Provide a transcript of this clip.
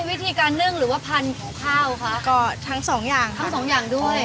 วิธีการนึ่งหรือว่าพันธุ์ของข้าวคะก็ทั้งสองอย่างทั้งสองอย่างด้วย